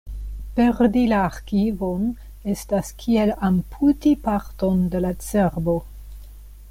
Perdi la arkivon estas kiel amputi parton de la cerbo.